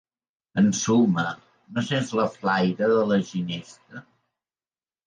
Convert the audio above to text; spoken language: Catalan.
Ensuma: no sents la flaire de la ginesta?